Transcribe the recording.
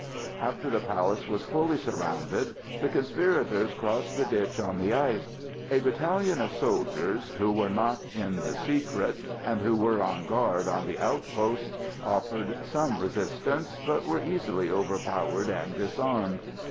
After the palace was fully surrounded, the conspirators crossed the ditch on the ice. A battalion of soldiers, who were not in the secret, and who were on guard on the outposts, offered some resistance, but were easily overpowered and disarmed.